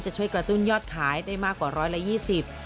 จะช่วยกระตุ้นยอดขายได้มากกว่า๑๒๐บาท